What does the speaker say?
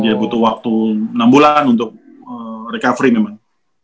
ya butuh waktu enam bulan untuk recovery memang